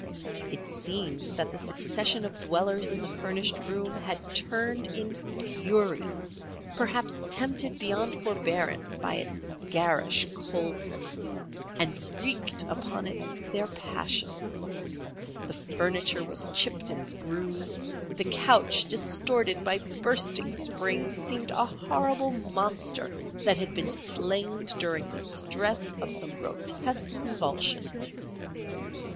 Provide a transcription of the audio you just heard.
It seemed that the succession of dwellers in the furnished room had turned in fury—perhaps tempted beyond forbearance by its garish coldness—and wreaked upon it their passions. The furniture was chipped and bruised; the couch, distorted by bursting springs, seemed a horrible monster that had been slain during the stress of some grotesque convulsion.